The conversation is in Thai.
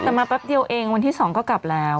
แต่มาแป๊บเดียวเองวันที่๒ก็กลับแล้ว